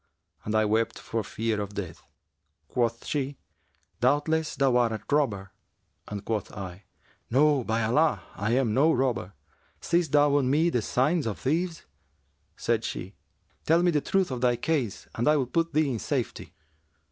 and I wept for fear of death. Quoth she, 'Doubtless, thou art a robber;' and quoth I, 'No, by Allah, I am no robber. Seest thou on me the signs of thieves?' Said she, 'Tell me the truth of thy case and I will put thee in safety.'